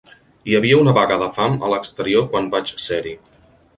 Hi havia una vaga de fam a l'exterior quan vaig ser-hi.